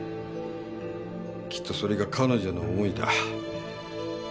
きっとそれが彼女の思いだ。